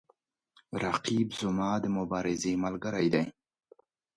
رقیب زما د مبارزې ملګری دی